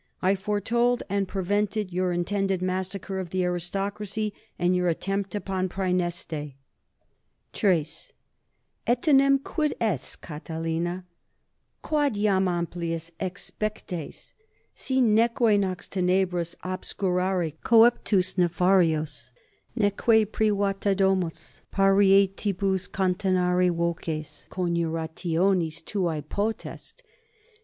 I foretold and prevented your intended massacre of the aristocracy, and your attempt upon Praeneste._ =3.= Etenim quid est, Catilina, quod iam amplius exspectes, si neque nox tenebris obscurare coeptus nefarios neque privata domus parietibus continere voces coniurationis tuae potest?